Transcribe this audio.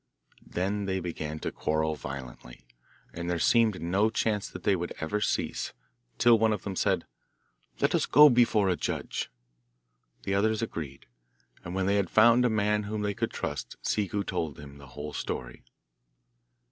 Then they began to quarrel violently, and there seemed no chance that they would ever cease, till one of them said, 'Let us go before a judge.' The others agreed, and when they had found a man whom they could trust Ciccu told him the whole story.